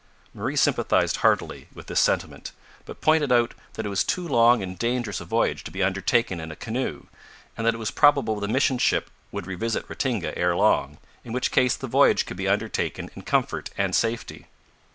Marie sympathised heartily with this sentiment, but pointed out that it was too long and dangerous a voyage to be undertaken in a canoe, and that it was probable the mission ship would revisit Ratinga ere long, in which case the voyage could be undertaken in comfort and safety.